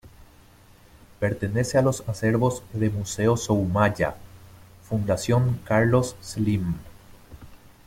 Pertenece a los acervos de Museo Soumaya.Fundación Carlos Slim.